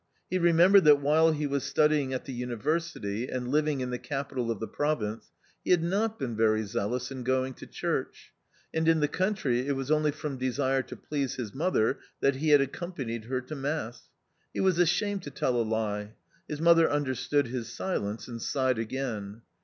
He remembered that while he was studying at the university and living in the capital of the province, he had not been very zealous in going to church, and in the country it was only from desire to please his mother that he had accompanied her to mass. He was ashamed to tell a lie. His mother understood his silence ' and sighed again.